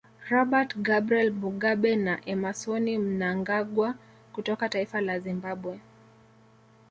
Robert Gabriel Mugabe na Emmasoni Mnangagwa kutoka Taifa la Zimbabwe